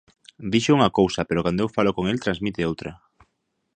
Dixo unha cousa, pero cando eu falo con el transmite outra.